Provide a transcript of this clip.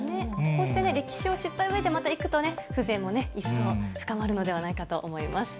こうして歴史を知ったうえでまた行くとね、風情も一層、深まるのではないかと思います。